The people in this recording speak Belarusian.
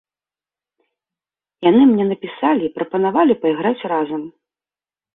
Яны мне напісалі і прапанавалі пайграць разам.